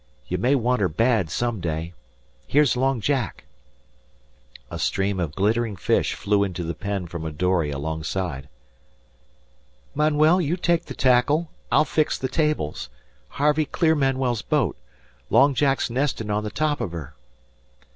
Ye may want her bad some day. Here's Long Jack." A stream of glittering fish flew into the pen from a dory alongside. "Manuel, you take the tackle. I'll fix the tables. Harvey, clear Manuel's boat. Long Jack's nestin' on the top of her."